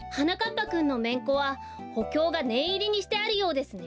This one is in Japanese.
ぱくんのめんこはほきょうがねんいりにしてあるようですね。